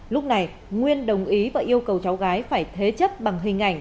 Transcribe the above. lúc này nguyên đồng ý và yêu cầu cháu gái phải thế chấp bằng hình ảnh